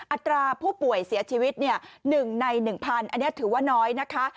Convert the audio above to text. อัตราผู้ป่วยเสียชีวิต๑ใน๑๐๐อันนี้ถือว่าน้อยนะคะ